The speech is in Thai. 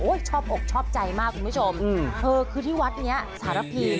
โอ้ยชอบอกชอบใจมากคุณผู้ชมอืมเออคือที่วัดเนี้ยสารพีเนี้ย